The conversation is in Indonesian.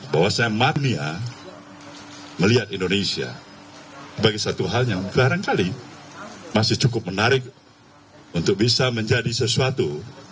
m aside mania melihat indonesia bagi satu haltaukarangkali masih cukup menarik untuk bisa menjadi sesuatu